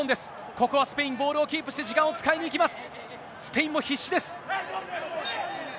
ここはスペイン、ボールをキープして、時間を使いにいきます。